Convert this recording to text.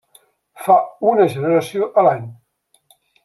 Fa una generació a l'any.